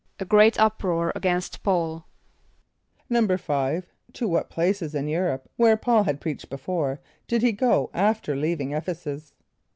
=A great uproar against P[a:]ul.= =5.= To what places in Europe where P[a:]ul had preached before, did he go after leaving [)E]ph´e s[)u]s?